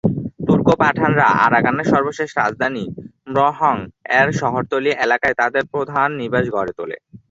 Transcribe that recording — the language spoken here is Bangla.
তুর্ক-পাঠানরা আরাকানের সর্বশেষ রাজধানী ম্রোহং-এর শহরতলি এলাকায় তাদের প্রধান নিবাস গড়ে তোলে।